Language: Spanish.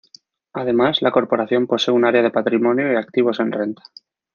Además, la corporación posee un área de patrimonio y activos en renta.